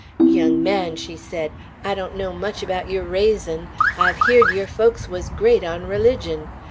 "Young man," she said, "I donno much abaout yeour raisin'. I've heered yeour folks wuz great on religion.